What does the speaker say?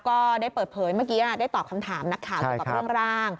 ก็ได้เปิดเผยเมื่อกี้ได้ตอบคำถามนักข่าวเกี่ยวกับเรื่องร่าง